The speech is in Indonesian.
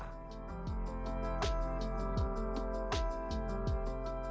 dan sebagian merupakan anak anak warga lokal tembagapura